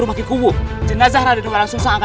apakah benar ini raden walang sungsang